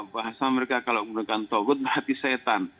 bahasa mereka kalau menggunakan togut berarti setan